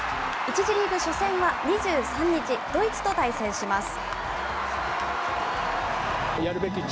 １次リーグ初戦は２３日、ドイツと対戦します。